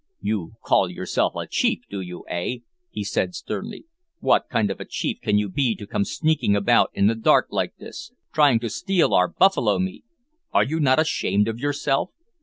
"You call yourself a chief, do you eh?" he said sternly. "What kind of a chief can you be, to come sneaking about in the dark like this, trying to steal our buffalo meat! Are you not ashamed of yourself?